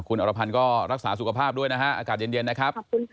คุณอรพันธ์ก็รักษาสุขภาพด้วยนะฮะอากาศเย็นนะครับ